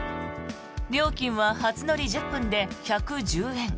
料金は初乗り１０分で１１０円。